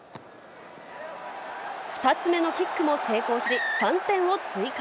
２つ目のキックも成功し、３点を追加。